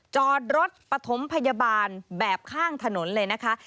จอดรถปฐมพยาบาลแบบข้างถนนเลยนะคะ